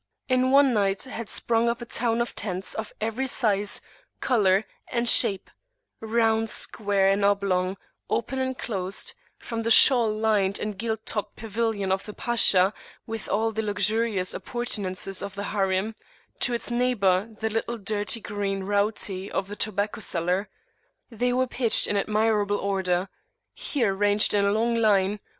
In one night had sprung up a town of tents of every size, colour, and shape; round, square, and oblong; open and closed, from the shawl lined and gilt topped pavilion of the Pasha, with all the luxurious appurtenances of the Harim, to its neighbour the little dirty green "rowtie" of the tobacco seller. They were pitched in admirable order: here ranged in a long line, [p.